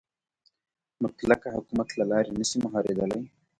مطلقه حکومت له لارې نه شي مهارېدلی.